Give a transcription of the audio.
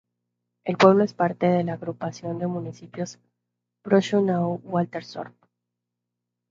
El pueblo es parte de la agrupación de municipios Großschönau-Waltersdorf.